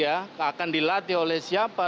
akan dilatih oleh siapa